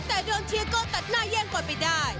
แต่โดนเชียร์โก้ตัดหน้าแย่งกว่าไปได้